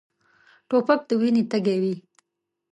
توپک د وینې تږی وي.